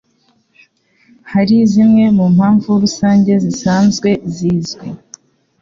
hari zimwe mu mpamvu rusange zisanzwe zizwi